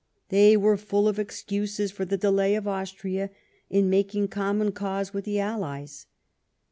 They were full of excuses for the delay of Austria in making common cause with the allies.